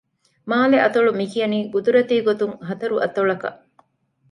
މާލެއަތޮޅު މި ކިޔަނީ ޤުދުރަތީ ގޮތުން ހަތަރު އަތޮޅަކަށް